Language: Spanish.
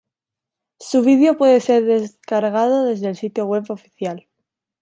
Su video puede ser descargado desde el sitio web oficial.